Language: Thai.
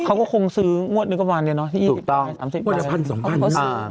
เขาก็คงซื้องวดนึกว่างเนี่ยเนาะที่๒๐ใบ๓๐ใบ